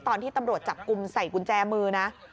ตอนที่ตำรวจจับกลุ่มใส่กุญแจมือนะ